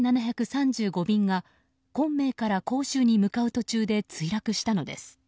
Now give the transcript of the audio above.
便が昆明から広州に向かう途中で墜落したのです。